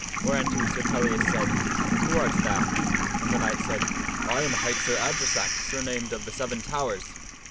" Where unto Sir Pellias said, " Who art thou ?" And the knight said, " I am hight Sir Adresack, surnamed of the Seven Towers."